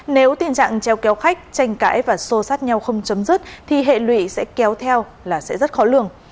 nếu tình trạng treo kéo khách tranh cãi và sô sát nhau không chấm dứt thì hệ lụy sẽ kéo theo là sẽ rất khó lường